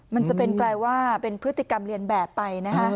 มันจะเป็นกลายว่าเป็นพฤติกรรมเรียนแบบไปนะฮะ